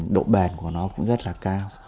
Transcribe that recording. độ bền của nó cũng rất là cao